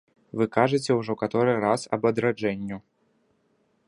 — Вы кажаце ўжо каторы раз аб адраджэнню.